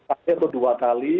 atau dua kali